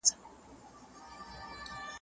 تاسو بايد حقايق وپېژنئ.